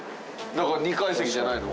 だから２階席じゃないの？